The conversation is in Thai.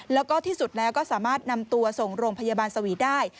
แล้วก็ที่สุดแล้วก็สามารถนำตัวส่งโรงพยาบาลสวีได้